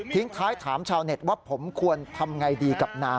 ทิ้งท้ายถามชาวเน็ตว่าผมควรกลับไปด้วย